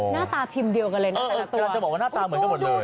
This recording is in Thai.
หน้าตาพิมพ์เดียวกันเลยนะแต่ละตัวกำลังจะบอกว่าหน้าตาเหมือนกันหมดเลย